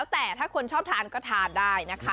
แต่ถ้าคนชอบทานก็ทานได้นะคะ